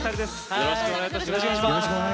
よろしくお願いします。